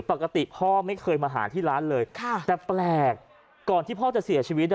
ปกติพ่อไม่เคยมาหาที่ร้านเลยแต่แปลกก่อนที่พ่อจะเสียชีวิต